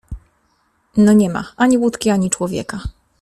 No nie ma: ani łódki, ani człowieka.